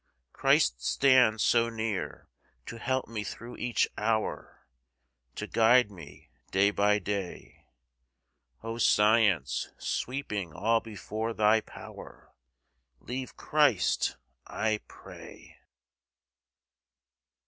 Christ stands so near, to help me through each hour, To guide me day by day O Science, sweeping all before thy power— Leave Christ, I pray!